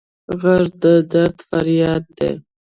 غږ د درد فریاد دی